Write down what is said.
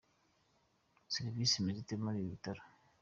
Serivisi imeze ite muri ibi bitaro?